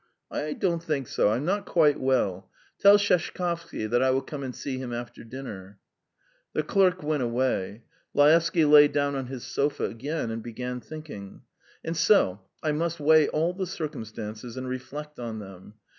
"I don't think so. ... I'm not quite well. Tell Sheshkovsky that I will come and see him after dinner." The clerk went away. Laevsky lay down on his sofa again and began thinking: "And so I must weigh all the circumstances and reflect on them.